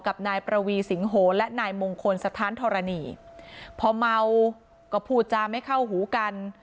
กับนายประวีสิงโหและนายมงคลสถานธรณีพอเมาก็พูดจาไม่เข้าหูกัน